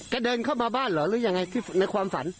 เดินเข้ามาบ้านเหรอหรือยังไงในความฝัน